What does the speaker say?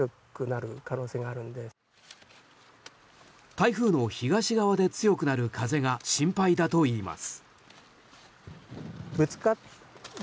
台風の東側で強くなる風が心配だといいます。